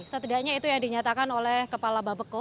setidaknya itu yang dinyatakan oleh kepala bapak beko